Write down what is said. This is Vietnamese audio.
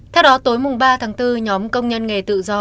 theo đó tối mùng ba tháng bốn nhóm công nhân nghề tự do